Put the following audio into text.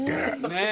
ねえ。